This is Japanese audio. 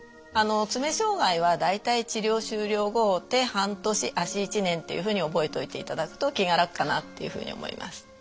あの爪障害は大体治療終了後手半年足１年っていうふうに覚えといていただくと気が楽かなっていうふうに思います。